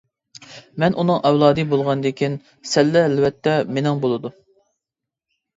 -مەن ئۇنىڭ ئەۋلادى بولغاندىكىن، سەللە ئەلۋەتتە مېنىڭ بولىدۇ!